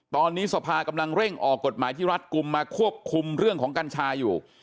ตอนนี้สภากำลังเร่งออกกฎหมายที่รัฐกลุ่มมาควบคุมเรื่องของกัญชาอยู่